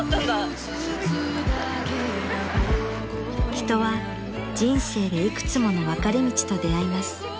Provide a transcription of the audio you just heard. ［人は人生で幾つもの分かれ道と出合います］